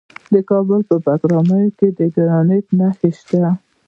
د کابل په بګرامي کې د ګرانیټ نښې شته.